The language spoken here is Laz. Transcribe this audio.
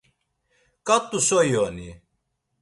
Ǩat̆u so iyoni?